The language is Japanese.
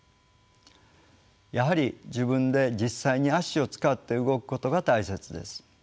やはり自分で実際に足を使って動くことが大切です。